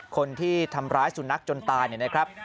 คนที่ทำร้ายสูญนักจนตายนะครับ